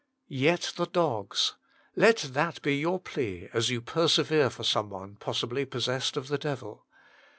"Yet the dogs" let that be your plea as you persevere for someone possibly possessed of the devil.